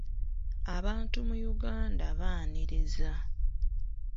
Abantu mu Uganda baaniriza.